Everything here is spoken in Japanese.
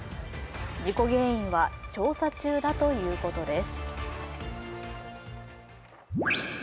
事故原因は調査中だということです。